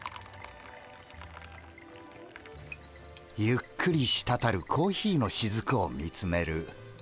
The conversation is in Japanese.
ゆっくりしたたるコーヒーのしずくを見つめる。